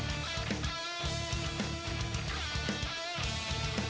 โอ้โอ้โอ้โอ้โอ้โอ้โอ้โอ้โอ้โอ้โอ้โอ้โอ้